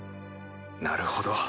なるほど。